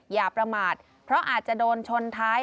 อย่าประมาทเพราะอาจจะโดนชนท้าย